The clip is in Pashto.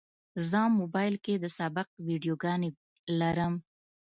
زه موبایل کې د سبق ویډیوګانې لرم.